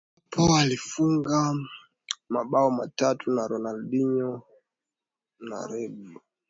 Ambapo alifunga mabao matatu na Ronaldinho na Rivaldo